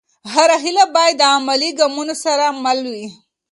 هره هېله باید د عملي ګامونو سره مل وي.